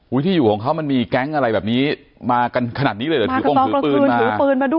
อุ้ยที่อยู่ของเค้ามันมีแก๊งอะไรแบบนี้มากันขนาดนี้เลยหรือถือปืนมา